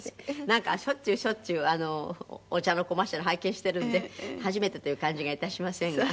なんかしょっちゅうしょっちゅうお茶のコマーシャル拝見しているんで初めてという感じが致しませんが。